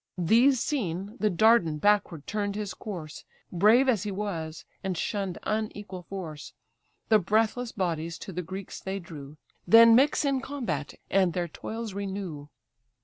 These seen, the Dardan backward turn'd his course, Brave as he was, and shunn'd unequal force. The breathless bodies to the Greeks they drew, Then mix in combat, and their toils renew.